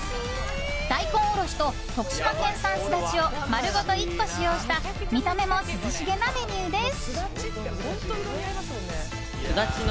大根おろしと徳島県産すだちを丸ごと１個使用した見た目も涼しげなメニューです。